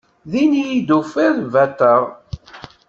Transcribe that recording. Din iyi-d tufiḍ bateɣ.